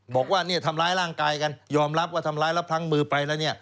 บอกว่าเนี่ยทำร้ายร่างกายกันยอมรับว่าทำร้ายแล้วพลั้งมือไปแล้วเนี่ย